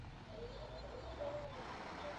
mfano wakaazi wa zamani wa Asia Ndogo